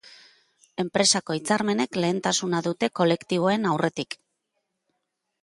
Enpresako hitzarmenek lehentasuna dute kolektiboen aurretik.